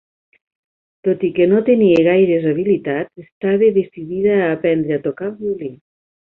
Tot i que no tenia gaires habilitats, estava decidida a aprendre a tocar el violí.